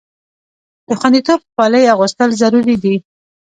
د خوندیتوب خولۍ اغوستل ضروري دي.